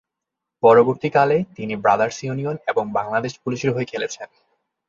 পরবর্তীকালে, তিনি ব্রাদার্স ইউনিয়ন এবং বাংলাদেশ পুলিশের হয়ে খেলেছেন।